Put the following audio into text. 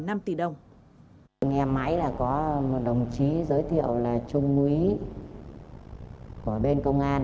nghe máy là có một đồng chí giới thiệu là trung úy của bên công an